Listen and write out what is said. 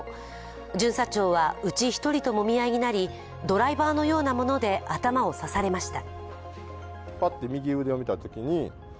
巡査長はうち１人ともみ合いになり、ドライバーのようなもので頭を刺されました。